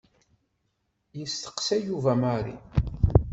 Yesteqsa Yuba Mary.